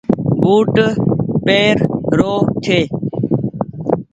بوٽ پير رو ڇي۔